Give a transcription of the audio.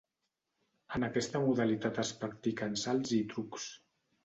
En aquesta modalitat es practiquen salts i trucs.